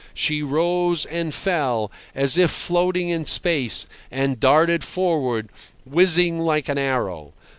She rose and fell, as if floating in space, and darted forward, whizzing like an arrow.